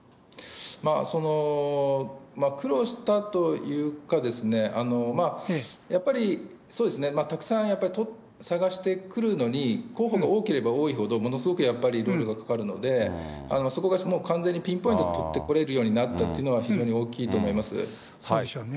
その苦労したというか、やっぱり、そうですね、たくさんやっぱり探してくるのに、候補が多ければ多いほどやっぱり、ものすごい労力がかかるので、そこがもう完全にピンポイントで取ってこれるようになったというそうでしょうね。